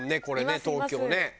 これね東京ね。